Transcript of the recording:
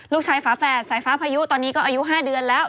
ฝาแฝดสายฟ้าพายุตอนนี้ก็อายุ๕เดือนแล้ว